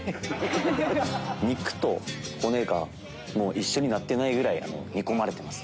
肉と骨が一緒になってないぐらい煮込まれてますね。